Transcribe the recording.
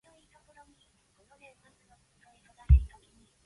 He can more than hold his own in a bar-room scrap.